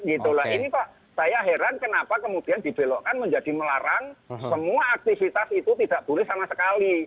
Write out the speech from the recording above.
ini kok saya heran kenapa kemudian dibelokkan menjadi melarang semua aktivitas itu tidak boleh sama sekali